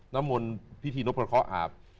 น้ำมนต์พิธีนพพระเคาะอาบ